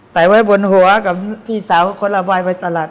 ใส่ไว้บนหัวกับพี่สาวกรอบรายไปตลาด